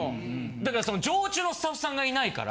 だから常駐のスタッフさんがいないから。